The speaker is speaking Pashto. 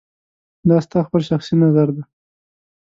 دا ستا خپل شخصي نظر دی